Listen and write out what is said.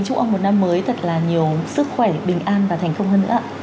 và chúc ông một năm mới thật là nhiều sức khỏe bình an và thành công hơn nữa ạ